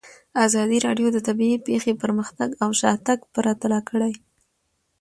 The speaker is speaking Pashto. ازادي راډیو د طبیعي پېښې پرمختګ او شاتګ پرتله کړی.